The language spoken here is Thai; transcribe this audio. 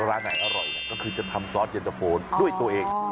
ร้านไหนอร่อยก็คือจะทำซอสเย็นตะโฟนด้วยตัวเอง